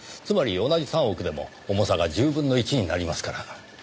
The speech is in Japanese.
つまり同じ３億でも重さが１０分の１になりますから。